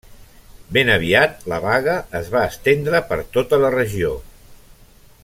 Ben aviat la vaga es va estendre per tota la regió.